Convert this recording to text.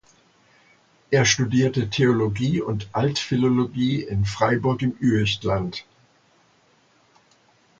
Er studierte Theologie und Altphilologie in Freiburg im Üechtland.